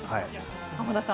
濱田さん